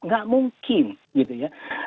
gak mungkin gitu ya